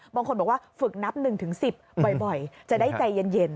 บางคนบอกว่าฝึกนับ๑๑๐บ่อยจะได้ใจเย็น